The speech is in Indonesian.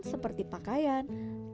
seperti pakaian tas dan dompet